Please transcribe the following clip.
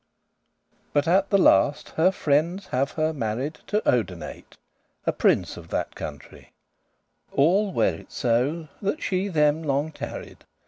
But at the last her friendes have her married To Odenate, <13> a prince of that country; All were it so, that she them longe tarried.